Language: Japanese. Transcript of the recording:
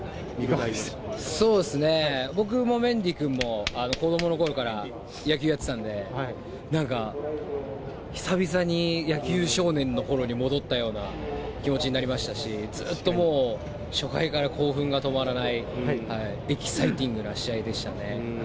そうですね、僕もメンディー君も、子どものころから野球やってたんで、なんか、久々に野球少年のころに戻ったような気持ちになりましたし、ずっともう初回から興奮が止まらない、エキサイティングな試合でしたね。